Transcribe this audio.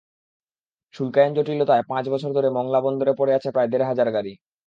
শুল্কায়ন জটিলতায় পাঁচ বছর ধরে মংলা বন্দরে পড়ে আছে প্রায় দেড় হাজার গাড়ি।